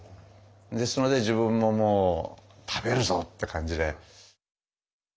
それで自分ももう食べるぞって感じで。